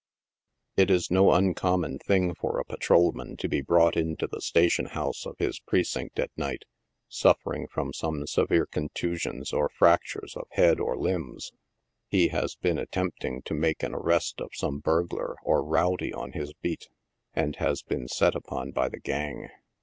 It is no uncommon thing for a patrolman to be brought into the station house of his precinct at night, suffering from some severe contusions or fractures of head or limbs. He has been attempting to make an arrest of some burglar or rowdy on his beat, and has been set upon by the gang.